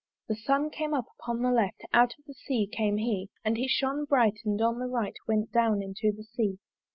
The Sun came up upon the left, Out of the Sea came he: And he shone bright, and on the right Went down into the Sea.